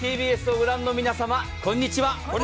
ＴＢＳを御覧の皆さん、こんにちは。